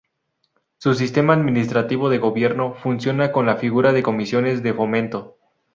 Su sistema administrativo de gobierno funciona con la figura de Comisiones de fomento.